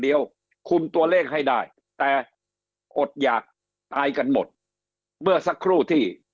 คุมตัวเลขให้ได้แต่อดหยากตายกันหมดเมื่อสักครู่ที่